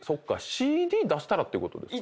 ＣＤ出したらってことですか？